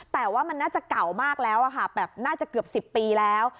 แต่ว่ามันน่าจะเก่ามากแล้วค่ะแบบน่าจะเกือบ๑๐ปีแล้ว